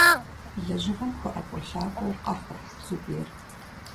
Лэжьыгъэм хуэIэкIуэлъакIуэу къэхъурт Зубер.